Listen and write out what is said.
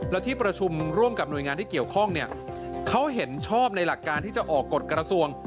แล้วที่ประชุมร่วมกับหน่วยงานที่เกี่ยวข้องเนี่ยเขาเห็นชอบในหลักการที่จะออกกฎกระทรวง